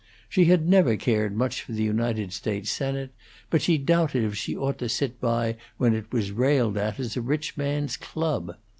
She had never cared much for the United States Senate, but she doubted if she ought to sit by when it was railed at as a rich man's club.